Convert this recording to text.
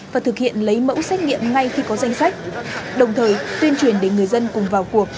và thực hiện lấy mẫu xét nghiệm ngay khi có danh sách đồng thời tuyên truyền để người dân cùng vào cuộc